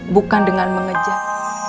bukan dengan mengejar